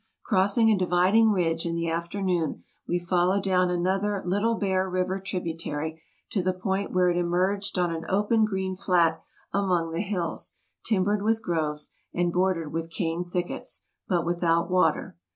Crossing a dividing ridge in the afternoon we followed down another little Bear River tribu tary to the point where it emerged on an open green flat among the hills, timbered with groves, and bordered with cane thickets, but without water.